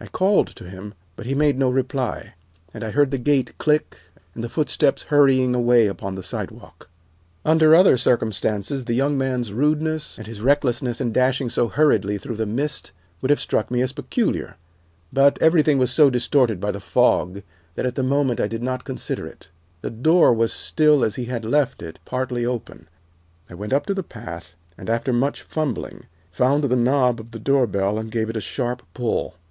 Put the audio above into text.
I called to him, but he made no reply, and I heard the gate click and the footsteps hurrying away upon the sidewalk. [Illustration: 06 A square of light suddenly opened in the night] "Under other circumstances the young man's rudeness, and his recklessness in dashing so hurriedly through the mist, would have struck me as peculiar, but everything was so distorted by the fog that at the moment I did not consider it. The door was still as he had left it, partly open. I went up the path, and, after much fumbling, found the knob of the door bell and gave it a sharp pull.